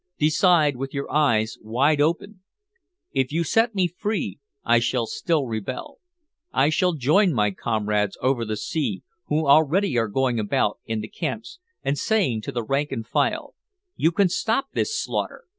Decide with your eyes wide open. If you set me free I shall still rebel. I shall join my comrades over the sea who already are going about in the camps and saying to the rank and file 'You can stop this slaughter!